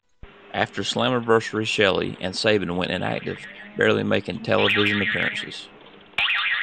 After Slammiversary Shelley and Sabin went inactive, barely making television appearances.